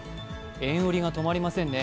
円売りが止まりませんね。